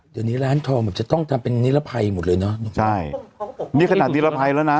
เดี๋ยวนี้ร้านทองแบบจะต้องทำเป็นนิรภัยหมดเลยเนอะใช่นี่ขนาดนิรภัยแล้วนะ